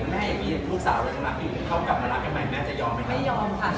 ไม่ยอมค่ะ